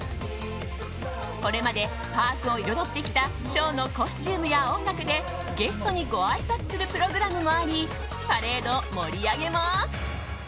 これまで、パークを彩ってきたショーのコスチュームや音楽でゲストにごあいさつするプログラムもありパレードを盛り上げます。